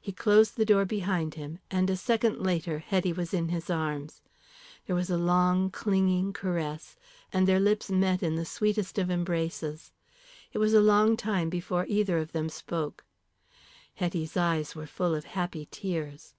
He closed the door behind him, and a second later Hetty was in his arms. Then there was a long, clinging caress, and their lips met in the sweetest of embraces. It was a long time before either of them spoke. Hetty's eyes were full of happy tears.